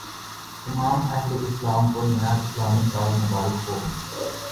تمام اہل اسلام کو نیا اسلامی سال مبارک ہو